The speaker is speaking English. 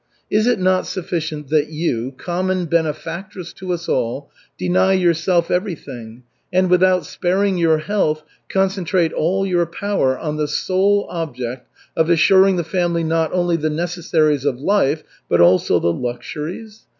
Is it not sufficient that you, common benefactress to us all, deny yourself everything and, without sparing your health, concentrate all your power on the sole object of assuring the family not only the necessaries of life but also the luxuries?